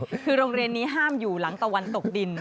คือโรงเรียนนี้ห้ามอยู่หลังตะวันตกดิน